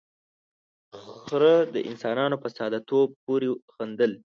، خره د انسانانو په ساده توب پورې خندل.